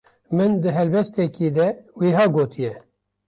Min di helbestekî de wiha gotiye: